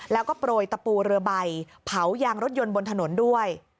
แล้วก็โปรยตะปูเรือใบเผายางรถยนต์บนถนนด้วย